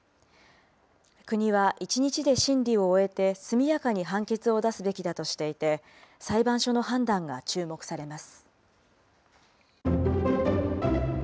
国は１日で審理を終えて速やかに判決を出すべきだとしていて、裁判所の判断が注目されます。